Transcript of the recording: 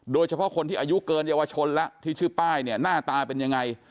โดยเฉพาะคนที่อายุเกินเยาวชนแล้วที่ชื่อป้ายเนี่ยหน้าตาเป็นยังไง